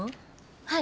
はい。